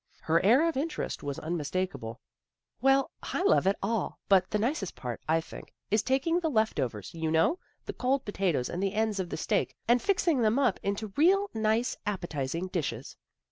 Her air of interest was unmistakable. " Well, I love it all, but the nicest part, I think, is taking the left overs, you know, the cold potatoes, and the ends of the steak, and fixing them up into real nice appetizing dishes."